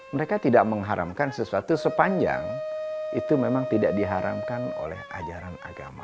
mereka tidak mengharamkan sesuatu sepanjang itu memang tidak diharamkan oleh ajaran agama